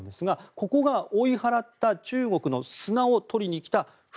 ここが追い払った中国の砂を取りに来た船